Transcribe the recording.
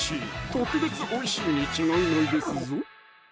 特別おいしいに違いないですぞ